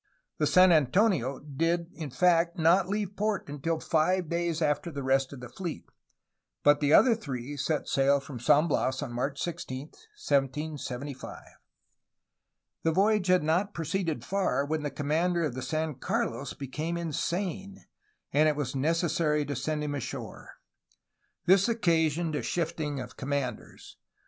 The San Antonio in fact did not leave port until five days after the rest of the fleet, but the other three set sail from San Bias on 278 A HISTORY OF CALIFORNIA March 16, 1775. The voyage had not proceeded far when the commander of the San Carlos became insane, and it was necessary to send him ashore. This occasioned a shifting of commanders.